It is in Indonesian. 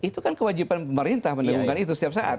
itu kan kewajiban pemerintah mendengungkan itu setiap saat